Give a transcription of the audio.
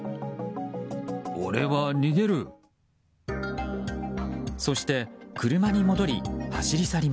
俺は逃げる。